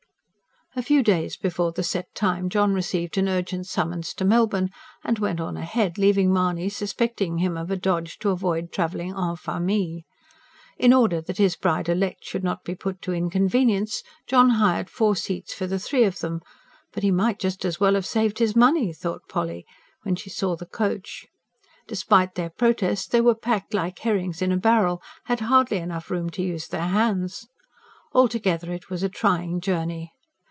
A few days before the set time John received an urgent summons to Melbourne, and went on ahead, leaving Mahony suspecting him of a dodge to avoid travelling EN FAMILLE. In order that his bride elect should not be put to inconvenience, John hired four seats for the three of them; but: "He might just as well have saved his money," thought Polly, when she saw the coach. Despite their protests they were packed like herrings in a barrel had hardly enough room to use their hands. Altogether it was a trying journey.